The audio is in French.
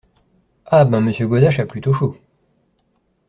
Ah ! ben, Monsieur Godache a plutôt chaud.